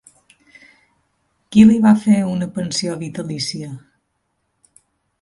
Qui li va fer una pensió vitalícia?